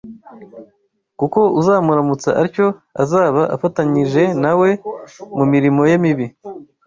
kuko uzamuramutsa atyo azaba afatanije na we mu mirimo ye mibi